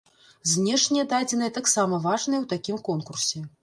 Знешнія дадзеныя таксама важныя ў такім конкурсе.